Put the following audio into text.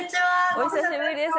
お久しぶりです。